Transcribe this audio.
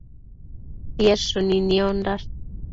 Tied shënino niondash